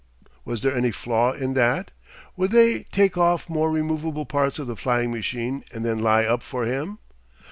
Was there any flaw in that? Would they take off more removable parts of the flying machine and then lie up for him?